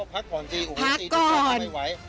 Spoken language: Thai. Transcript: ภัคก่อน